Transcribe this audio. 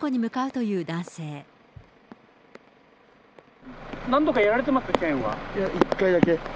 いや、１回だけ。